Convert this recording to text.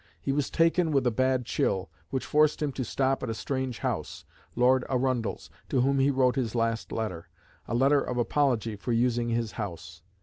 He was taken with a bad chill, which forced him to stop at a strange house, Lord Arundel's, to whom he wrote his last letter a letter of apology for using his house.